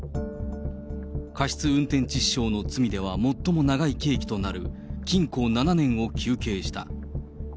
過失運転致死傷の罪では最も長い刑期となる禁錮７年を求刑した。